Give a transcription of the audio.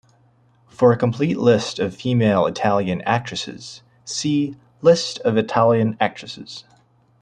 For a complete list of female Italian actresses, see: List of Italian actresses.